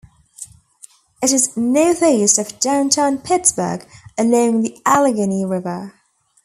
It is northeast of Downtown Pittsburgh, along the Allegheny River.